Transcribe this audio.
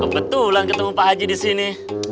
kok betulan ketemu pak haji di sini